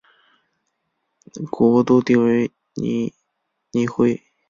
国都定于尼尼微。